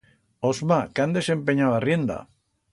Osma, que han desempenyau arrienda!